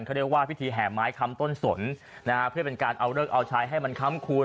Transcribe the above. เขาเรียกว่าพิธีแห่ไม้คำต้นสนนะฮะเพื่อเป็นการเอาเลิกเอาใช้ให้มันค้ำคูณ